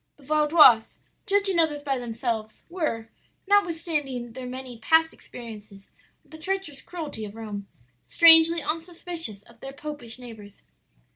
The Vaudois, judging others by themselves, were, notwithstanding their many past experiences of the treacherous cruelty of Rome, strangely unsuspicious of their popish neighbors.